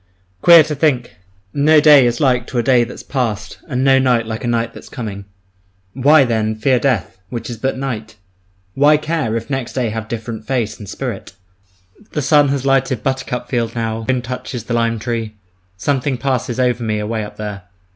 Queer to think, no day is like to a day that's past and no night like a night that's coming! Why, then, fear death, which is but night? Why care, if next day have different face and spirit? The sun has lighted buttercup field now, the wind touches the lime tree. Something passes over me away up there.